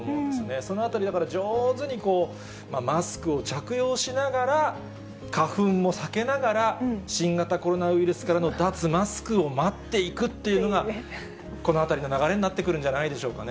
そのあたり、だから上手にマスクを着用しながら、花粉も避けながら、新型コロナウイルスからの脱マスクを待っていくっていうのが、このあたりの流れになってくるんじゃないでしょうかね。